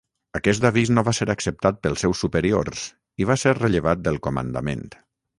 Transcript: Aquest avís no va ser acceptat pels seus superiors, i va ser rellevat del comandament.